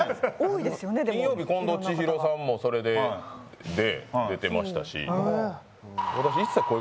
金曜日、近藤千尋さんもそれで出てましたし。